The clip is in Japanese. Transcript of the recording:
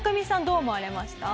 どう思われました？